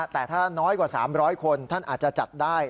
แต่ถ้าน้อยกว่า๓๐๐คนท่านอาจจะจัดได้